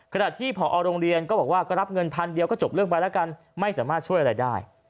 ขณะที่ผอโรงเรียนก็บอกว่าก็รับเงินพันเดียวก็จบเรื่องไปแล้วกันไม่สามารถช่วยอะไรได้